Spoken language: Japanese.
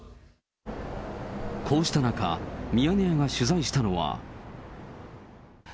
こうした中、ミヤネ屋が取材したのは。